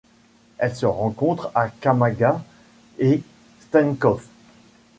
Elle se rencontre à Kamaggas et Steinkopf.